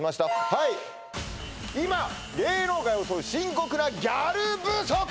はいいま、芸能界を襲う深刻な「ギャル」不足！